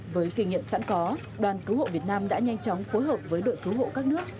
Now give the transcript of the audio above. với kinh nghiệm sẵn có đoàn cứu hộ việt nam đã nhanh chóng phối hợp với đội cứu hộ các nước